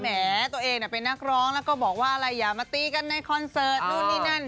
แหมตัวเองเป็นนักร้องแล้วก็บอกว่าอะไรอย่ามาตีกันในคอนเสิร์ตนู่นนี่นั่น